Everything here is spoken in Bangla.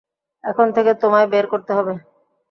এখান থেকে তোমায় বের করতে হবে!